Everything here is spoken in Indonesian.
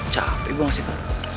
capek gue ngasih tau